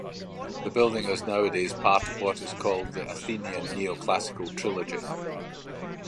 The building is nowadays part of what is called the "Athenian Neoclassical Trilogy".